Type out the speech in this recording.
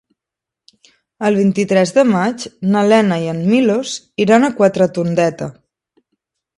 El vint-i-tres de maig na Lena i en Milos iran a Quatretondeta.